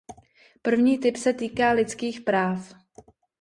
První typ se týká lidských práv.